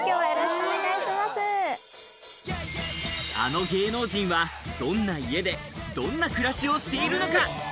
あの芸能人は、どんな家でどんな暮らしをしているのか。